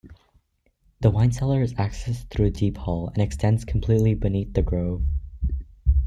The wine cellar is accessed through Deep Hall, and extends completely beneath the Grove.